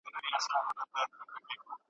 تاریخي پېښې د تل لپاره پټې نه سي پاته کېدای.